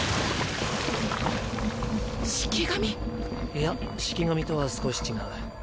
式神⁉いや式神とは少し違う。